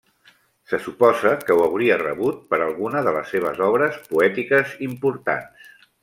Se suposa que ho hauria rebut per alguna de les seves obres poètiques importants.